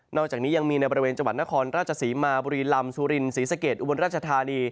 อกจากนี้ยังมีในบริเวณจังหวัดนครราชศรีมาบุรีลำสุรินศรีสะเกดอุบลราชธานี